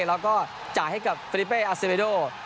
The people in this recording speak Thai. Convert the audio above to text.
แล้วก็จ่ายให้กับเฟลิเปอร์อาซิเวโด